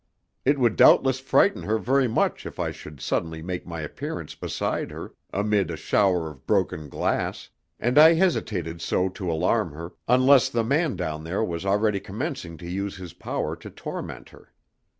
It would doubtless frighten her very much if I should suddenly make my appearance beside her amid a shower of broken glass, and I hesitated so to alarm her, unless the man down there was already commencing to use his power to torment her.